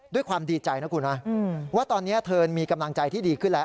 ด้วยความดีใจนะคุณนะว่าตอนนี้เธอมีกำลังใจที่ดีขึ้นแล้ว